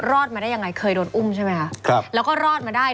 รอดมาได้ยังไงเคยโดนอุ้มใช่ไหมคะครับแล้วก็รอดมาได้